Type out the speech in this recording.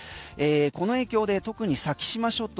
この影響で特に先島諸島